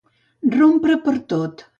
Rompre per tot.